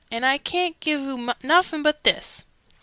And I ca'n't give oo nuffin but this!"